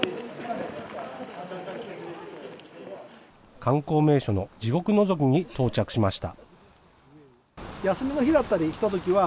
観光名所の地獄のぞきに到着しました。